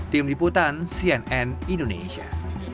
tim liputan cnn indonesia